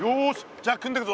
じゃあ組んでくぞ。